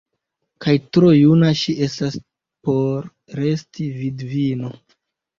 Kaj tro juna ŝi estas por resti vidvino!